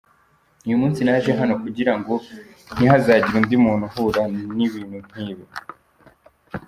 Uyu munsi naje hano kugira ngo ntihazagire undi muntu uhura n’ibintu nk’ibi.